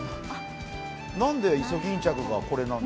なんでイソギンチャクがこれなの？